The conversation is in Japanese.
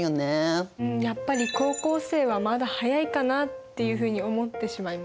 やっぱり高校生はまだ早いかなっていうふうに思ってしまいますね